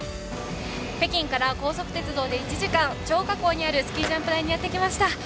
北京から高速鉄道で１時間、張家口にあるスキージャンプ台にやってきました。